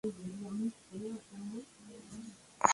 Contrajo matrimonio con una aristócrata de la "gens" Licinia.